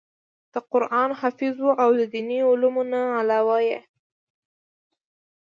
د قران حافظ وو او د ديني علومو نه علاوه ئې